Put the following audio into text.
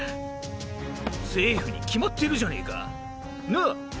セーフに決まってるじゃねぇか。なぁ？